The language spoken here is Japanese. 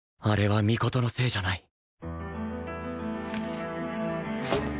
あれは尊のせいじゃない